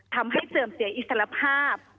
ทำให้เสื่อมเสียอิสระภาพ